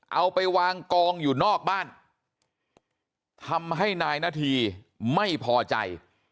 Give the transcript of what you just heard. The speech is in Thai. เอาไปวางกองอยู่นอกบ้านทำให้นายนาธีไม่พอใจ